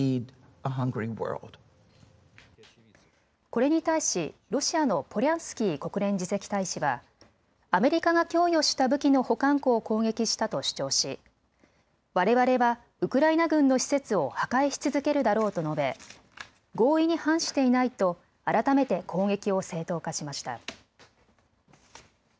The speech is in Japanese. これに対しロシアのポリャンスキー国連次席大使はアメリカが供与した武器の保管庫を攻撃したと主張しわれわれはウクライナ軍の施設を破壊し続けるだろうと述べ合意に反していないと改めて攻撃を正当化しました。